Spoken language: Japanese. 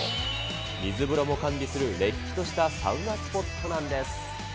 水風呂も完備するれっきとしたサウナスポットなんです。